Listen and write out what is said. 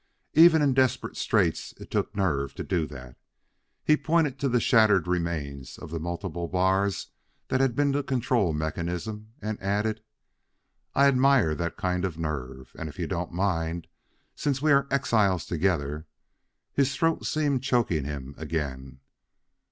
Even in desperate straits it took nerve to do that." He pointed to the shattered remains of the multiple bars that had been the control mechanism, and added: "I admire that kind of nerve. And, if you don't mind, since we are exiles together " His throat seemed choking him again.